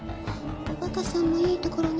おバカさんもいいところね